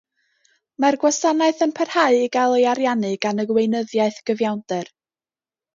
Mae'r gwasanaeth yn parhau i gael ei ariannu gan y Weinyddiaeth Gyfiawnder.